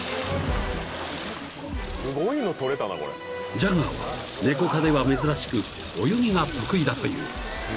［ジャガーはネコ科では珍しく泳ぎが得意だという］